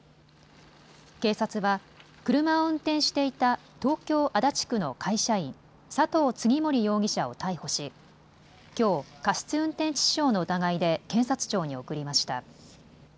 警察は車を運転していた東京足立区の会社員、佐藤次守容疑者を逮捕しきょう過失運転致死傷の疑いで検察庁に送りました。